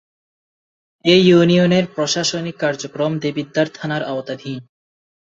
এ ইউনিয়নের প্রশাসনিক কার্যক্রম দেবিদ্বার থানার আওতাধীন।